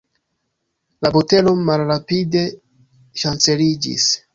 La botelo malrapide ŝanceliĝis.